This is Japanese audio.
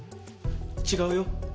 違うよ。